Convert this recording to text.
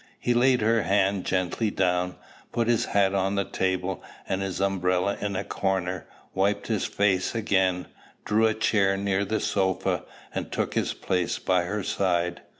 He laid her hand gently down, put his hat on the table and his umbrella in a corner, wiped his face again, drew a chair near the sofa, and took his place by her side.